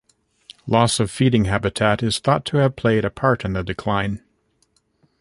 Loss of feeding habitat is thought to have played a part in the decline.